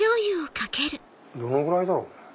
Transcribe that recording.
どのぐらいだろう？